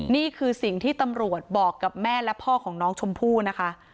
นี่คือสิ่งที่ตำรวจบอกกับแม่และพ่อของน้องชมพู่นะคะ